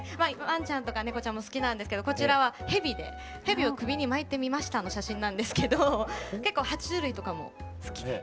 ワンちゃんとか猫ちゃんも好きなんですけどこちらは蛇で蛇を首に巻いてみましたの写真なんですけど結構は虫類とかも好きで。